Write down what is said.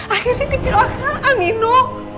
akhirnya kecelakaan nino